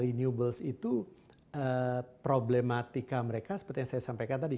renewables itu problematika mereka seperti yang saya sampaikan tadi